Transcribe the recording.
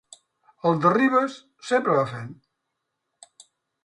El de Ribes sempre va fent.